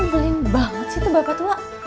ini bling banget sih tuh bapak tua